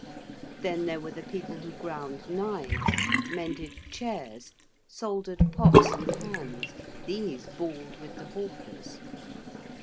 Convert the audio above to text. Then there were the people who ground knives, mended chairs, soldered pots and pans: these bawled with the hawkers.